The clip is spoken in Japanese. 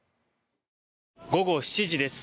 午後７時です。